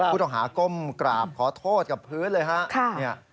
ผู้ต้องหาก้มกราบขอโทษกับพื้นเลยครับ